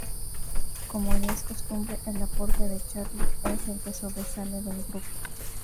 Como ya es costumbre el aporte de Charly es el que sobresale del grupo.